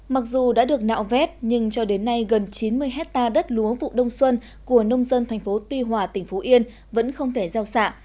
mặc dù đã được nạo vét nhưng cho đến nay gần chín mươi hectare đất lúa vụ đông xuân của nông dân thành phố tuy hòa tỉnh phú yên vẫn không thể gieo xạ